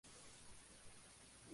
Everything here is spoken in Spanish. Destaca por sus elementos góticos.